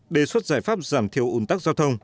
đề xuất giải pháp giảm thiểu ủn tắc giao thông